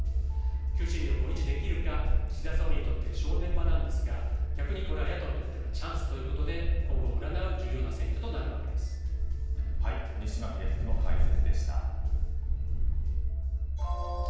求心力を維持できるか岸田総理にとって正念場なんですが逆に野党にとってはチャンスということで西垣デスクの解説でした。